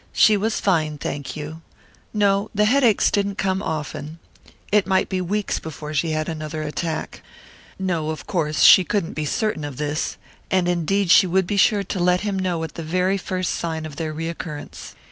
She was fine, thank you. No, the headaches didn't come often. It might be weeks before she had another attack. No, of course she couldn't be certain of this. And indeed she would be sure to let him know at the very first sign of their recurrence.